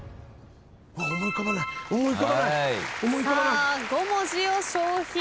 さあ５文字を消費。